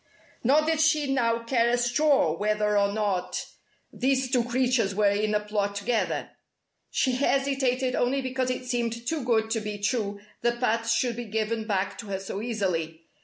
Nor did she now care a straw whether or not these two creatures were in a plot together. She hesitated only because it seemed too good to be true that Pat should be given back to her so easily.